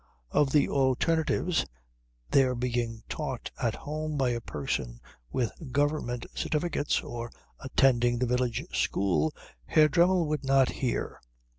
Of the alternatives, their being taught at home by a person with Government certificates, or attending the village school, Herr Dremmel would not hear.